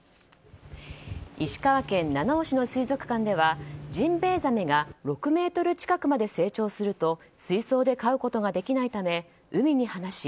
石川県七尾市の水族館ではジンベエザメが６ｍ近くまで成長すると水槽で飼うことができないため海に放し